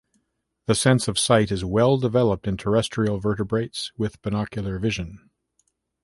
The sense of sight is well developed in terrestrial vertebrates with binocular vision.